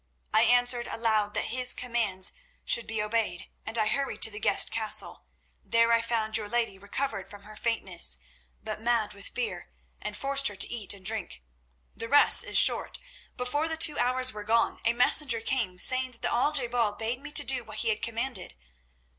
I answered aloud that his commands should be obeyed, and hurried to the guest castle. There I found your lady recovered from her faintness, but mad with fear, and forced her to eat and drink. "The rest is short. Before the two hours were gone a messenger came, saying that the Al je bal bade me do what he had commanded.